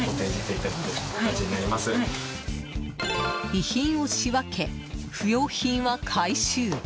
遺品を仕分け、不要品は回収。